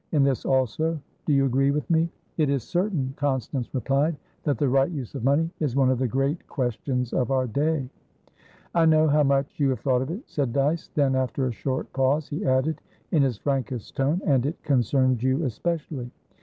In this also, do you agree with me?" "It is certain," Constance replied, "that the right use of money is one of the great questions of our day." "I know how much you have thought of it," said Dyce. Then, after a short pause, he added in his frankest tone, "And it concerns you especially."